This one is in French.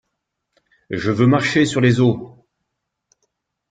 Je veux marcher sur les eaux!